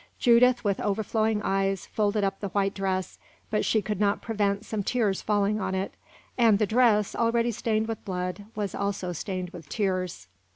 Judith, with overflowing eyes, folded up the white dress, but she could not prevent some tears falling on it, and the dress, already stained with blood, was also stained with tears.